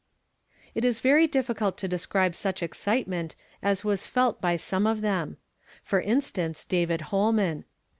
It is very difficult to describe such excitement as was felt by some of them ; for instance, David Holman.